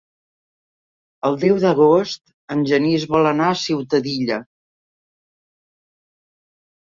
El deu d'agost en Genís vol anar a Ciutadilla.